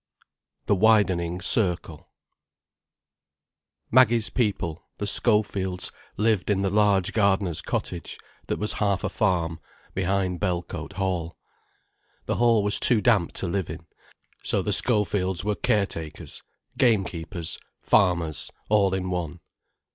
THE WIDENING CIRCLE Maggie's people, the Schofields, lived in the large gardener's cottage, that was half a farm, behind Belcote Hall. The hall was too damp to live in, so the Schofields were caretakers, gamekeepers, farmers, all in one.